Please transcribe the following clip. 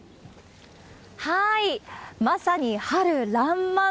まさに春らんまん。